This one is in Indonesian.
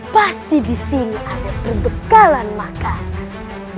pasti disini ada perbekalan makanan